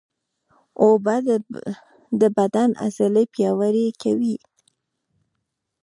اوبه د بدن عضلې پیاوړې کوي